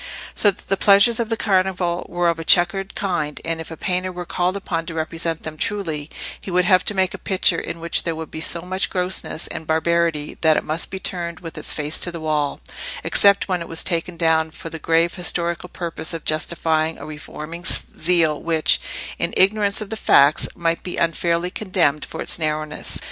So that the pleasures of the Carnival were of a checkered kind, and if a painter were called upon to represent them truly, he would have to make a picture in which there would be so much grossness and barbarity that it must be turned with its face to the wall, except when it was taken down for the grave historical purpose of justifying a reforming zeal which, in ignorance of the facts, might be unfairly condemned for its narrowness.